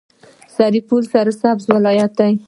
سرپل سرسبزه ولایت دی.